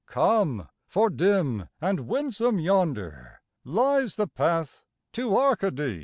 Come, for dim and winsome yonder Lies the path to Arcady!